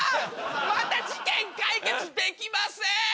また事件解決できません！